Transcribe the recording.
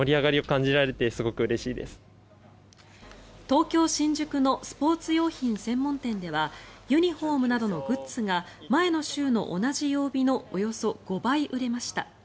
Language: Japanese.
東京・新宿のスポーツ用品専門店ではユニホームなどのグッズが前の週の同じ曜日のおよそ５倍売れました。